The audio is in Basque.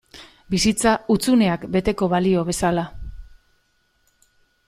Bizitza, hutsuneak beteko balio bezala.